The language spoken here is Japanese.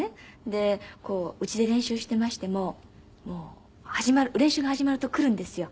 で家で練習していましても練習が始まると来るんですよ。